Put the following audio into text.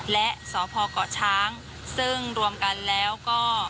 และสพเกาะช้างซึ่งรวมกันแล้วก็